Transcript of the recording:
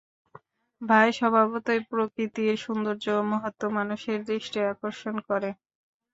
তাই স্বভাবতই প্রকৃতির সৌন্দর্য ও মহত্ত্ব মানুষের দৃষ্টি আকর্ষণ করে।